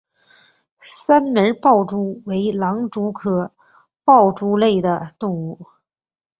三门豹蛛为狼蛛科豹蛛属的动物。